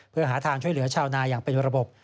เพื่อหาทางช่วยเหลือชาวนาอย่างเป็นระบบ